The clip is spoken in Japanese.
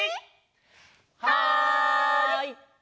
はい！